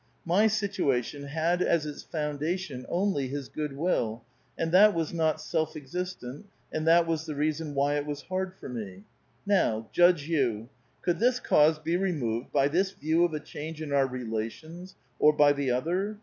M3' situation had as its foundation only his good will, and that was not self existent, and that was the reason why it was hard for me. Now, judge you : could this cause l)e removed by this view of a change in our relations, or by the other.